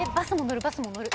バスも乗る。